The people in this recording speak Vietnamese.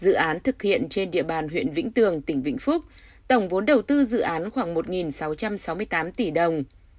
dự án thực hiện trên địa bàn huyện vĩnh tường tỉnh vĩnh phúc tổng vốn đầu tư dự án khoảng một sáu trăm sáu mươi tám tỷ đồng